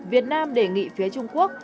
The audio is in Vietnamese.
việt nam đề nghị phía trung quốc